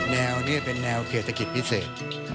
แนวนี้เป็นแนวเศรษฐกิจพิเศษ